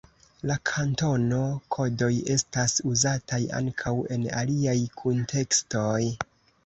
La kantono-kodoj estas uzataj ankaŭ en aliaj kuntekstoj.